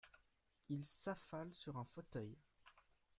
Il s’affale sur un fauteuil.